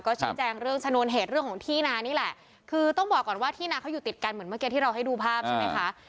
ชี้แจงเรื่องชนวนเหตุเรื่องของที่นานี่แหละคือต้องบอกก่อนว่าที่นาเขาอยู่ติดกันเหมือนเมื่อกี้ที่เราให้ดูภาพใช่ไหมคะ